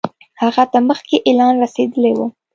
هغه ته مخکي اطلاع رسېدلې وه.